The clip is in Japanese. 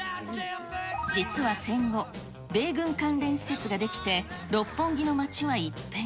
実は戦後、米軍関連施設が出来て、六本木の街は一変。